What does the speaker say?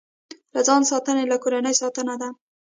له ځان ساتنه، له کورنۍ ساتنه ده.